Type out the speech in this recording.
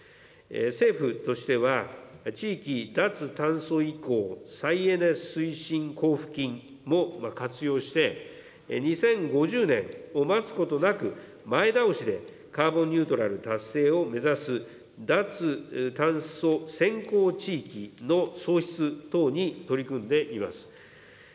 政府としては、地域脱炭素移行再エネ推進交付金も活用して、２０５０年を待つことなく、前倒しでカーボンニュートラル達成を目指す脱炭素先行地域の創出等に取り組んでいます。